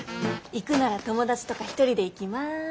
行くなら友達とか１人で行きます。